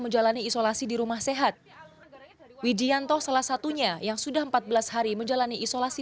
menjalani isolasi di rumah sehat widianto salah satunya yang sudah empat belas hari menjalani isolasi